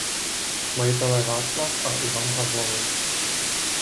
Majitelé Václav a Ivan Havlovi.